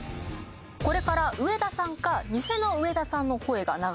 これから上田さんか偽の上田さんの声が流れます。